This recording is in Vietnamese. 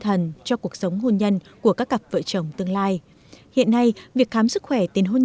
thần cho cuộc sống hôn nhân của các cặp vợ chồng tương lai hiện nay việc khám sức khỏe tiền hôn